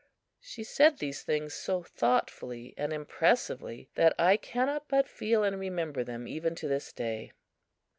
She said these things so thoughtfully and impressively that I cannot but feel and remember them even to this day.